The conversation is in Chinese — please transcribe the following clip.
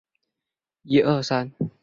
中国国民党革命委员会成员。